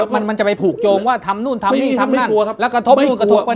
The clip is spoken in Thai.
มันจะไปผูกโยงว่าทำนู่นทำนี่ทำนั้น